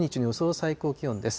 最高気温です。